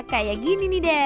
kayak gini nih den